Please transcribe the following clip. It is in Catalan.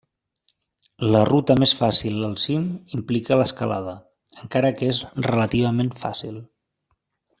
La ruta més fàcil al cim implica l'escalada, encara que és relativament fàcil.